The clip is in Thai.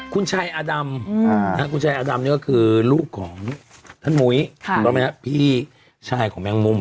คุณชายอดำอดำนี่ก็คือลูกของท่านมุยพี่ชายของแมงมุม